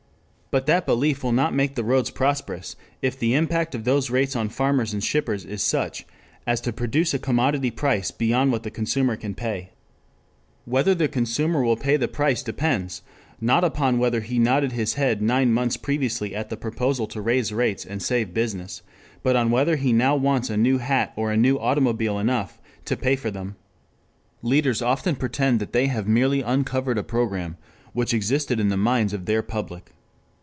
But that belief will not make the roads prosperous, if the impact of those rates on farmers and shippers is such as to produce a commodity price beyond what the consumer can pay. Whether the consumer will pay the price depends not upon whether he nodded his head nine months previously at the proposal to raise rates and save business, but on whether he now wants a new hat or a new automobile enough to pay for them. 3 Leaders often pretend that they have merely uncovered a program which existed in the minds of their public.